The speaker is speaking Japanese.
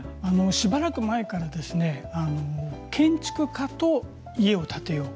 しばらく前から建築家と家を建てよう